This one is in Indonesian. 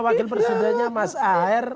wakil presidennya mas ar